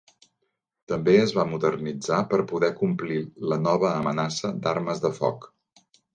També es va modernitzar per poder complir la nova amenaça d'armes de foc.